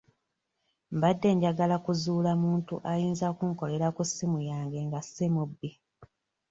Mbadde njagala kuzuula muntu ayinza okunkolera ku ssimu yange nga si mubbi.